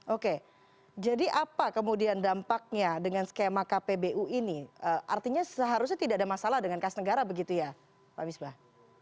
oke jadi apa kemudian dampaknya dengan skema kpbu ini artinya seharusnya tidak ada masalah dengan kas negara begitu ya pak misbah